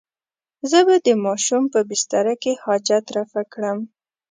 زه به د ماشوم په بستره کې حاجت رفع کړم.